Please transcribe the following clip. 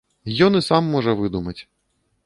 Ён і сам можа выдумаць.